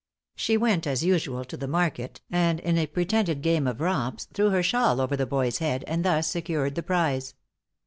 She went, as usual, to the market, and in a pretended game of romps, threw her shawl over the boy's head, and thus secured the prize.